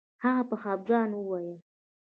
هغه په خفګان وویل